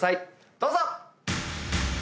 どうぞ！